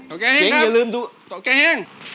โอเคน่นครับอย่าลืมดูโอเคน่น